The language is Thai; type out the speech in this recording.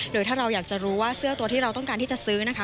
โดยถ้าเราอยากจะรู้ว่าเสื้อตัวที่เราต้องการที่จะซื้อนะคะ